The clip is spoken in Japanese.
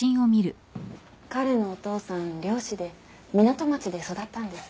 彼のお父さん漁師で港町で育ったんです。